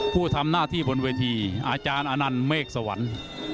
ผู้ทำหน้าที่บนเวทีอาจารย์อนันต์เมฆสวรรค์